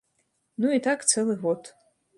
Ну і так цэлы год.